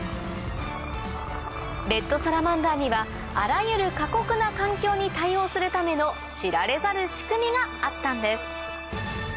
レッドサラマンダーにはあらゆる過酷な環境に対応するための知られざる仕組みがあったんです